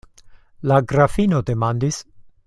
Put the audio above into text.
La grafino demandis: